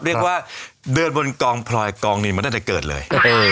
เรียกว่าเดินบนกองพลอยกองนี้มาตั้งแต่เกิดเลย